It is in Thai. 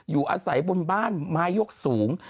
อยู่อาศัยบนบ้านไม้ยกสูง